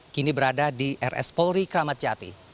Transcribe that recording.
kini berada di rs polri kramatjati